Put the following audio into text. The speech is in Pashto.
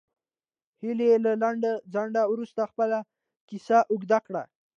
هیلې له لنډ ځنډ وروسته خپله کیسه اوږده کړه